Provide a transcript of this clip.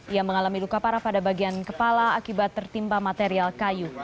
ia mengalami luka parah pada bagian kepala akibat tertimpa material kayu